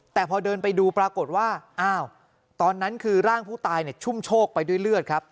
แต่พอเดินไปดูปรากฏว่าอ้าวตอนนั้นคือร่างผู้ตายชุ่มโชคไปด้วยเลือดครับ